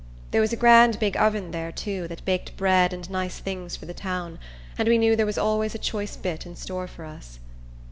There was a grand big oven there, too, that baked bread and nice things for the town, and we knew there was always a choice bit in store for us.